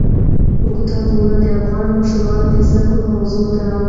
اوږده غرونه د افغان ماشومانو د زده کړې موضوع ده.